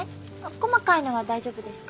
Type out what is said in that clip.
細かいのは大丈夫ですか？